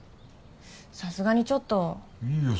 さすがにちょっといいよ